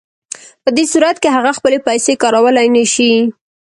په دې صورت کې هغه خپلې پیسې کارولی نشي